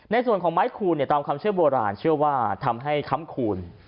ในส่วนของไม้คูณตามความเชื่อโบราณเชื่อว่าทำให้ค้ำคูณ